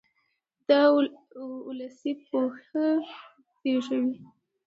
دا اولسي پوهه زېږوي.